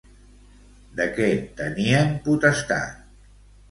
De què tenien potestat?